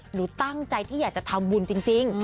หนูตั้งใจที่อยากจะทำบุญจริง